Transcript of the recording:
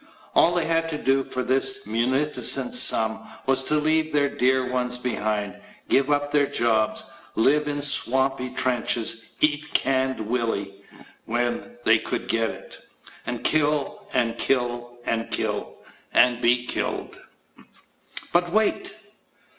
All they had to do for this munificent sum was to leave their dear ones behind, give up their jobs, lie in swampy trenches, eat canned willy (when they could get it) and kill and kill and kill ... and be killed. But wait!